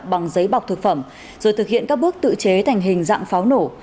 bằng giấy bọc thực phẩm rồi thực hiện các bước tự chế thành hình dạng pháo nổ